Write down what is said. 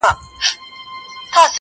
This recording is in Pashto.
څوچي څاڅکي ترې تویېږي -